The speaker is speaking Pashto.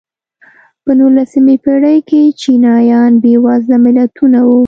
په نولسمې پېړۍ کې چینایان بېوزله ملتونه وو.